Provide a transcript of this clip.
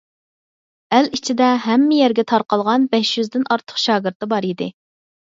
ئەل ئىچىدە ھەممە يەرگە تارقالغان بەش يۈزدىن ئارتۇق شاگىرتى بار ئىدى.